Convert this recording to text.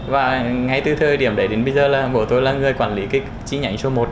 và ngay từ thời điểm đấy đến bây giờ là bố tôi là người quản lý cái chi nhánh số một